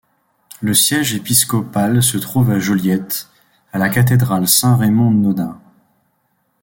Le siège épiscopal se trouve à Joliet, à la cathédrale Saint-Raymond-Nonnat.